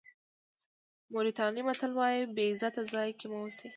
موریتاني متل وایي بې عزته ځای کې مه اوسئ.